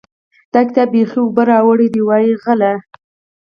دا کتاب بېخي اوبو راوړی دی؛ وايې خله.